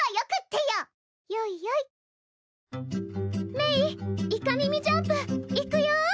メイイカミミジャンプいくよ！